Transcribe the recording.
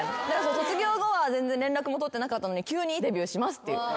卒業後は全然連絡も取ってなかったのに急にデビューしますって。